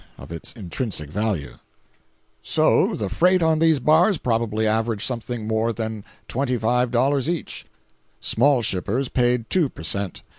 of its intrinsic value. 377.jpg (16K) So, the freight on these bars probably averaged something more than $25 each. Small shippers paid two per cent.